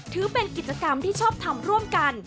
ถือเป็นกิจกรรมที่ชอบทำร่วมกัน